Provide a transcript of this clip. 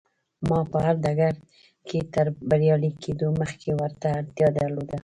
ما په هر ډګر کې تر بريالي کېدو مخکې ورته اړتيا درلوده.